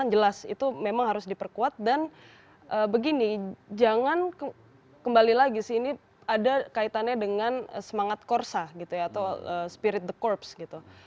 jelas itu memang harus diperkuat dan begini jangan kembali lagi sih ini ada kaitannya dengan semangat korsa gitu ya atau spirit the corps gitu